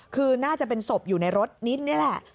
คือน่าจะเป็นศพอยู่ในรถนิดนี่แหละ